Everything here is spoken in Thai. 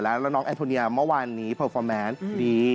แล้วน้องแอนโทเนียเมื่อวานนี้เพอร์ฟอร์แมนดี